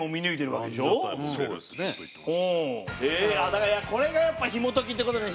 だからこれがやっぱひも解きって事ね